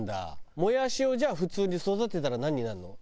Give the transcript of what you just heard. もやしをじゃあ普通に育てたらなんになるの？